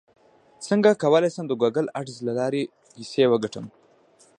څنګه کولی شم د ګوګل اډز له لارې پیسې وګټم